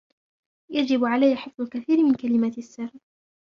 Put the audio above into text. يجب عليَ حفظ الكثير من كلمات السر.